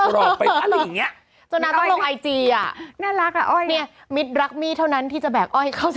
หลอกไปฟะด้วยตามไวเล็ตแล้วไปต่อที่ไทรัตนิวโชว์